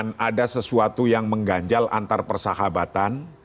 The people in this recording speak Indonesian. jangan ada sesuatu yang mengganjal antar persahabatan